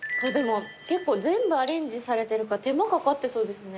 結構全部アレンジされてるから手間かかってそうですね。